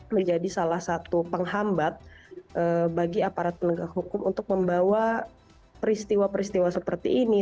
menjadi salah satu penghambat bagi aparat penegak hukum untuk membawa peristiwa peristiwa seperti ini